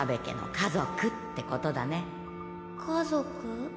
家族。